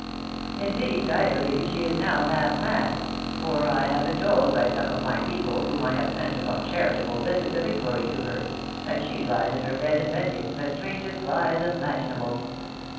Indeed I believe she is now half mad, for I have been told by some of my people whom I have sent upon charitable visits of inquiry to her, that she lies in her bed inventing the strangest lies imaginable.